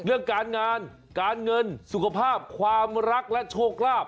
เรื่องการงานการเงินสุขภาพความรักและโชคลาภ